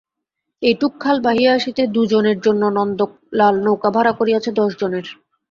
এইটুকু খাল বাহিয়া আসিতে দুজনের জন্য নন্দলাল নৌকা ভাড়া করিয়াছে দশজনের।